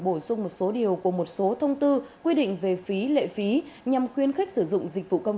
bổ sung một số điều của một số thông tư quy định về phí lệ phí nhằm khuyến khích sử dụng dịch vụ công